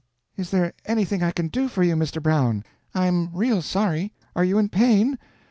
Is there anything I can do for you, Mr. Brown? I'm real sorry. Are you in pain?"